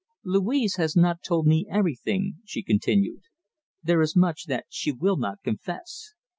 "Louise has not told me everything," she continued. "There is much that she will not confess.